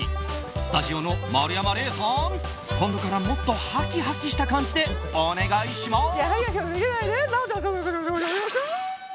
スタジオの丸山礼さん今度からもっとはきはきした感じでお願いします。